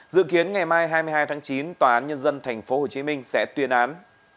dự kiến ngày mai hai mươi hai tháng chín tòa án nhân dân tp hcm sẽ tuyên án